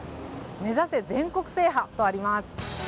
「目指せ全国制覇」とあります。